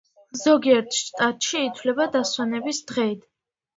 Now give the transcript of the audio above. ზოგიერთ შტატში ითვლება დასვენების დღედ.